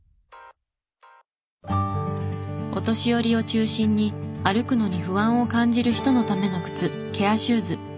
お年寄りを中心に歩くのに不安を感じる人のための靴ケアシューズ。